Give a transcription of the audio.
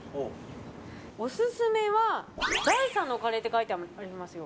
オススメは第３のカレーって書いてありますよ。